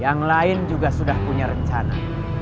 yang lain juga sudah punya rencana